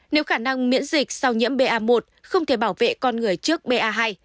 nếu khả năng miễn dịch sau nhiễm ba một không thể bảo vệ con người trước ba hai